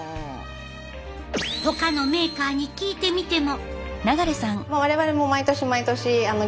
ほかのメーカーに聞いてみても。